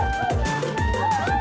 makas bulu ketek